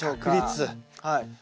はい。